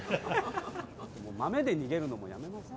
豆で逃げるのもやめません？